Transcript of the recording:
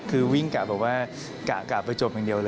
คือวิ่งกะแบบว่ากะไปจบอย่างเดียวเลย